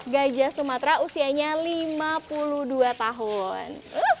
gajah sumatera usianya lima puluh dua tahun